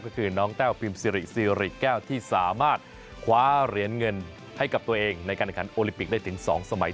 ก็คือน้องแต้วพิมซิริซีริแก้วที่สามารถคว้าเหรียญเงินให้กับตัวเองในการแข่งขันโอลิมปิกได้ถึง๒สมัย